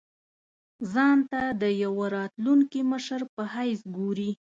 ځان ته د یوه راتلونکي مشر په حیث ګوري.